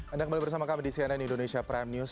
anda kembali bersama kami di cnn indonesia prime news